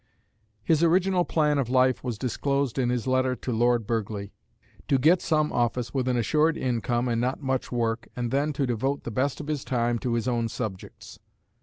His original plan of life was disclosed in his letter to Lord Burghley: to get some office with an assured income and not much work, and then to devote the best of his time to his own subjects.